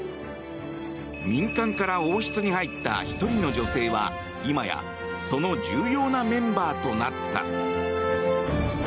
民間から王室に入った１人の女性は今やその重要なメンバーとなった。